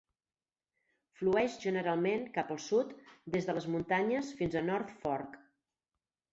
Flueix generalment cap al sud des de les muntanyes fins a North Fork.